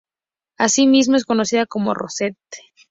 Asimismo es conocida como Rosette.